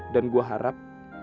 dan gue harap